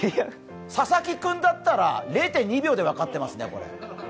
佐々木君だったら０．２秒で分かってますね、これ。